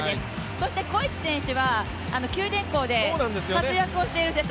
そしてコエチ選手は九電工で活躍をしている選手。